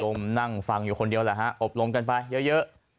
มนั่งฟังอยู่คนเดียวแหละฮะอบรมกันไปเยอะ